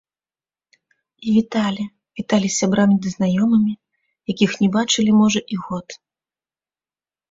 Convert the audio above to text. І віталі, віталі з сябрамі ды знаёмымі, якіх не бачылі, можа, і год.